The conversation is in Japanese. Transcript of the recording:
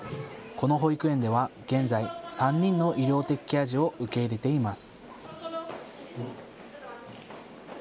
この保育園では現在、３人の医療的ケア児を受け入れています。